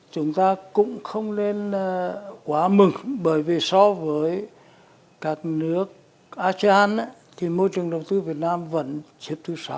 chúng ta cũng không nên quá mừng bởi vì so với các nước asean thì môi trường đầu tư việt nam vẫn xếp thứ sáu